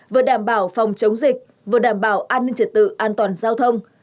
vừa đảm bảo phòng chống dịch vừa đảm bảo an ninh trật tự an toàn giao thông